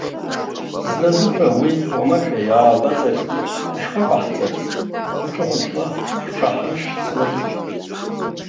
Зназыҳәа уи уамашәа иаабазаргьы, ишԥаҟаҳҵарыз, хәыҷы-хәыҷла ҳҽаҳаршьцылеит.